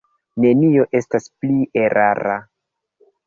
Nenio estas pli erara.